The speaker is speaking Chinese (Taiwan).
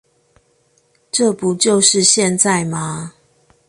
這不就是現在嗎